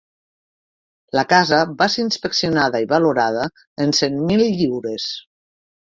La casa va ser inspeccionada i valorada en cent mil lliures.